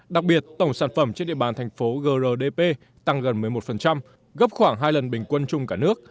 đặc biệt tổng sản phẩm trên địa bàn thành phố grdp tăng gần một mươi một gấp khoảng hai lần bình quân chung cả nước